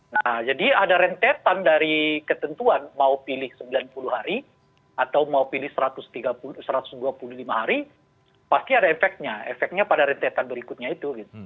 nah jadi ada rentetan dari ketentuan mau pilih sembilan puluh hari atau mau pilih satu ratus dua puluh lima hari pasti ada efeknya efeknya pada rentetan berikutnya itu